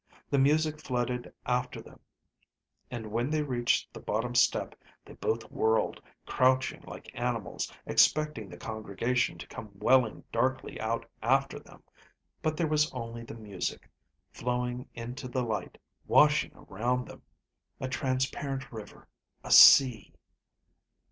The music flooded after them, and when they reached the bottom step, they both whirled, crouching like animals, expecting the congregation to come welling darkly out after them. But there was only the music, flowing into the light, washing around them, a transparent river, a sea.